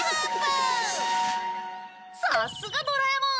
さすがドラえもん！